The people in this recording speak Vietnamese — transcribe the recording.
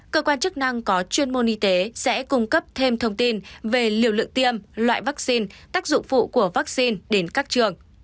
cơ quan chức năng có chuyên môn y tế sẽ cung cấp thêm thông tin về liều lượng tiêm loại vaccine tác dụng phụ của vaccine đến các trường